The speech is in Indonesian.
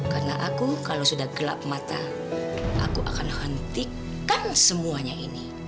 karena aku kalau sudah gelap mata aku akan hentikan semuanya ini